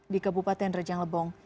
di kabupaten rejang lebong